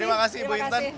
terima kasih ibu intan